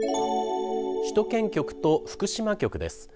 首都圏局と福島局です。